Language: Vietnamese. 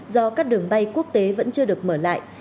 do các đường bay quốc tế vẫn chưa được mở lại